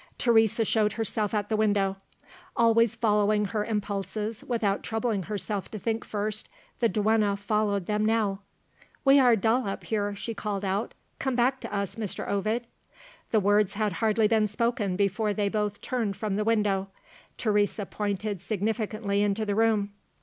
Teresa showed herself at the window. Always following her impulses without troubling herself to think first, the duenna followed them now. "We are dull up here," she called out. "Come back to us, Mr. Ovid." The words had hardly been spoken before they both turned from the window. Teresa pointed significantly into the room.